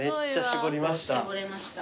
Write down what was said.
絞れました。